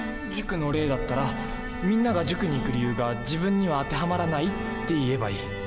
塾の例だったらみんなが塾に行く理由が自分には当てはまらないって言えばいい。